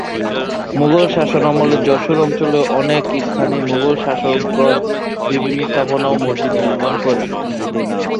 মুঘল শাসনামলে যশোর অঞ্চলের অনেক স্থানেই মুঘল শাসকগণ বিভিন্ন স্থাপনা ও মসজিদ নির্মাণ করেন।